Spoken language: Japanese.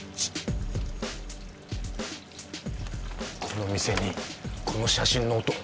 この店にこの写真の男。